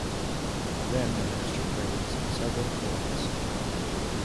Then the minister prays several collects.